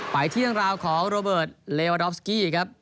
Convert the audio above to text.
ไปเที่ยงราวของโรเบิร์ตเลวาดอฟสกี้ครับ